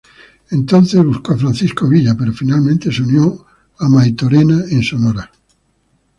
Entonces buscó a Francisco Villa, pero finalmente se unió a Maytorena en Sonora.